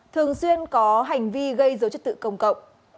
thường xuyên có hành vi gây dấu chức tự công cộng